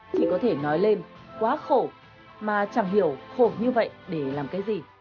thì có thể nói lên quá khổ mà chẳng hiểu khổ như vậy để làm cái gì